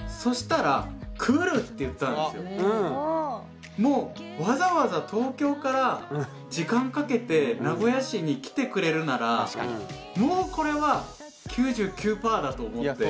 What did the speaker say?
そしたらもうわざわざ東京から時間かけて名古屋市に来てくれるならもうこれは９９パーだと思って。